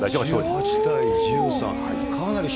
１８対１３？